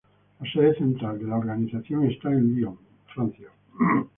La sede central de la organización está en Lyon, Francia.